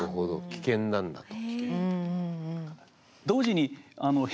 危険なんだと。